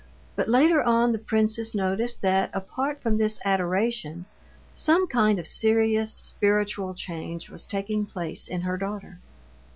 But later on the princess noticed that, apart from this adoration, some kind of serious spiritual change was taking place in her daughter.